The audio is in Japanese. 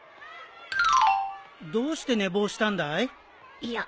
どうして寝坊したんだい？